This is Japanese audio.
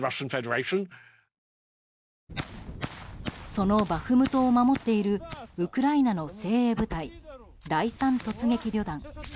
そのバフムトを守っているウクライナの精鋭部隊第３突撃旅団。